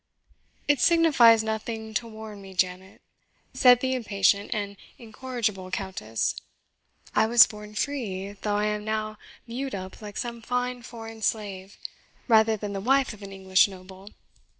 "It signifies nothing to warn me, Janet," said the impatient and incorrigible Countess; "I was born free, though I am now mewed up like some fine foreign slave, rather than the wife of an English noble.